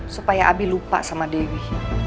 supaya abi lupa sama dewi